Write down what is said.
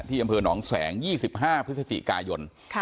อำเภอหนองแสง๒๕พฤศจิกายน